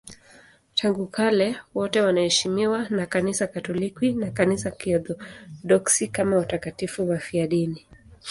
Tangu kale wote wanaheshimiwa na Kanisa Katoliki na Kanisa la Kiorthodoksi kama watakatifu wafiadini.